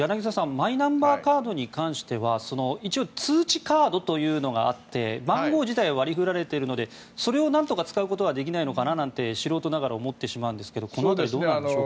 マイナンバーカードに関しては一応通知カードというのがあって番号自体は割り振られているのでそれをなんとか使うことはできないのかなって素人ながら思ってしまうんですがこの辺り、どうなんでしょう。